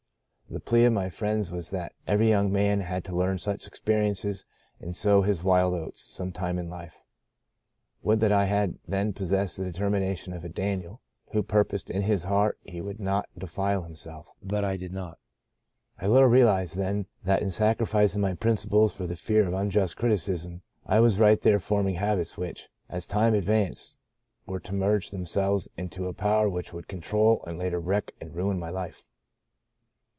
The plea of my friends was that every young man had to learn such experiences and * sow his wild oats ' some time in life. Would that I had then possessed the determination of a Daniel, who * purposed in his heart he would not de file himself,' but I did not *' I little realized then that in sacrificing my 1 54 By 3. Great Deliverance principles for the fear of unjust criticism I was right there forming habits which, as time advanced, were to merge themselves into a power which would control and later wreck and ruin my life.